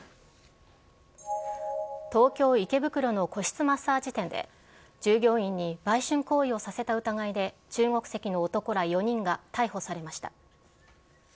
東京・池袋の個室マッサージ店で、従業員に売春行為をさせた疑いで、中国籍の男ら４人が逮捕されました。